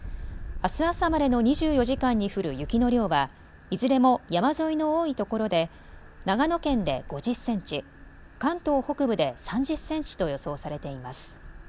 あす朝までの２４時間に降る雪の量はいずれも山沿いの多いところで長野県で５０センチ、関東北部で３０センチと予想されています。